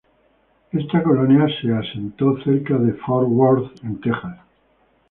Esta colonia se asentó cerca de Fort Worth en Texas.